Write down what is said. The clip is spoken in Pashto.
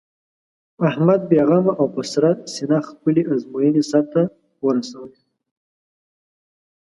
احمد بې غمه او په سړه سینه خپلې ازموینې سر ته ورسولې.